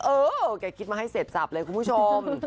เออแกคิดมาให้เสร็จสับเลยคุณผู้ชม